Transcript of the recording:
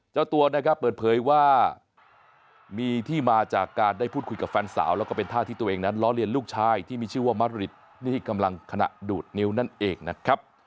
เจ้าตัวนะครับเปิดเผยว่ามีที่มาจากการได้พูดคุยกับแฟนสาวแล้วก็เป็นท่าที่ตัวเองนั้นล้อเลียนลูกชายที่มีชื่อว่ามะริดนี่กำลังขณะดูดนิ้วนั่นเองนะครับ